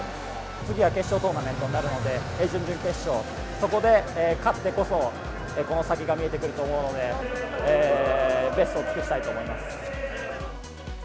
次は決勝トーナメントになるので、準々決勝、そこで勝ってこそ、この先が見えてくると思うので、ベストを尽くしたいと思います。